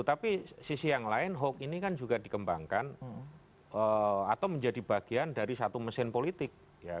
tapi sisi yang lain hoax ini kan juga dikembangkan atau menjadi bagian dari satu mesin politik